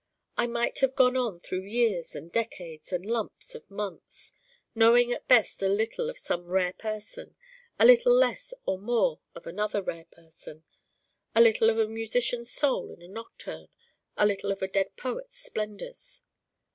I might have gone on through years and decades and lumps of months knowing at best a little of some rare person, a little less or more of another rare person, a little of a musician's soul in a nocturne, a little of a dead poet's splendors.